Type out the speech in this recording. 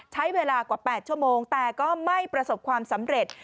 ใช้เวลากว่า๘ชั่วโมงแต่ก็ไม่ประสบความสำเร็จ